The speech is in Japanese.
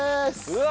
うわ！